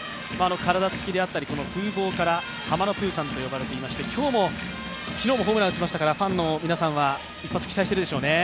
体つきであったり風貌でハマのプーさんと呼ばれていて、昨日もホームラン打ちましたからファンの皆さんは今日も一発期待しているでしょうね。